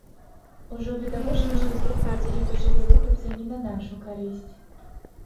Ужо відавочна, што тут падзеі пачалі рухацца не на нашу карысць.